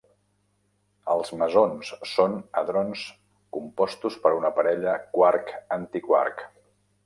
Els mesons són hadrons compostos per una parella quark-antiquark.